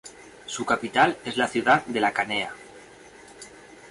Su capital es la ciudad de La Canea.